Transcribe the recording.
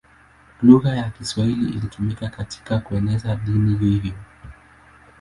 Lugha ya Kiswahili ilitumika katika kueneza dini hiyo.